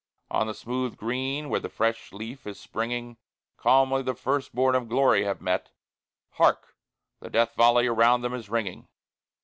On the smooth green where the fresh leaf is springing Calmly the first born of glory have met; Hark! the death volley around them is ringing!